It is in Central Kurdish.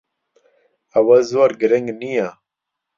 ئەوە زۆر گرنگ نییە.